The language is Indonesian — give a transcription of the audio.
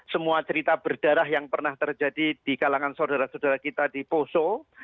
semua cerita berdarah yang pernah terjadi di kalangan saudara saudara kita di poso